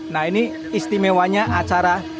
nah ini istimewanya acara